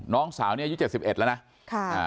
น้องสาวนี้อายุ๗๑แล้วนะ